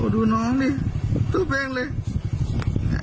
ดูน้องนี่ดูเพลงเลย